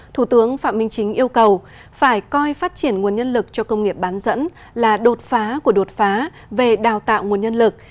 thủ tướng phạm minh chính yêu cầu phải coi phát triển nguồn nhân lực cho công nghiệp bán dẫn là đột phá của đột phá về đào tạo nguồn nhân lực